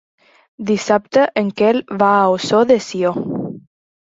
Dissabte en Quel va a Ossó de Sió.